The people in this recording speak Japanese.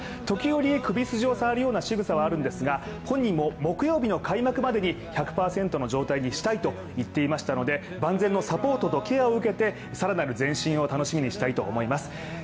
時折首筋を触るようなしぐさはあるんですが本人も木曜日の開幕までに１００％の状態にしたいといっていたので万全のサポートとケアを受けて更なる前進を楽しみにしたいと思います。